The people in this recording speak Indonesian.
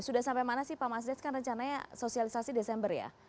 sudah sampai mana sih pak mas des kan rencananya sosialisasi desember ya